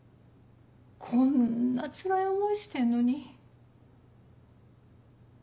こんなつらい思いしてんのに。